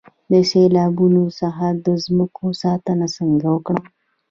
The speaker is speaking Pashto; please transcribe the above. د سیلابونو څخه د ځمکو ساتنه څنګه وکړم؟